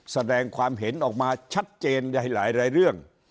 แสดงความเห็นออกมาชัดเจนในหลายเรื่อง